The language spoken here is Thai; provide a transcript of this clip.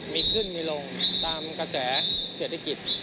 มีขึ้นมีลงตามกระแสเศรษฐกิจ